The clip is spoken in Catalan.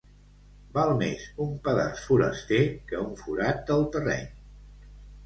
Val més un pedaç foraster, que un forat del terreny.